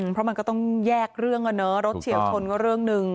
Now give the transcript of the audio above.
เพราะมันก็ต้องแยกเรื่องกันเนอะรถเฉียวชนก็เรื่องหนึ่ง